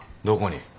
どこに？